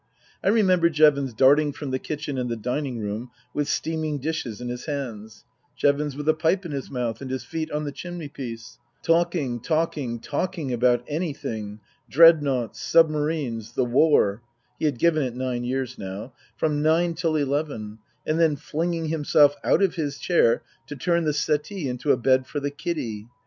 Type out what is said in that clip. I remember Jevons darting from the kitchen and the dining room with steaming dishes in his hands ; Jevons with a pipe in his mouth and his feet on the chimney piece, talking, talking, talking about anything Dreadnoughts, submarines, the War (he had given it nine years now) from nine till eleven, and then flinging himself out of his chair to turn the settee into a bed for the Kiddy.